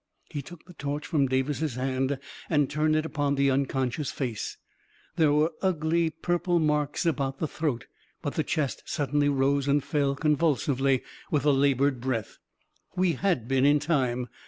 He took the torch from Davis's hand and turned it upon the unconscious face. There weir ugly pur ple marks about the throat, but the chest suddenly rose and fell convulsively with a labored breath. We had been in time!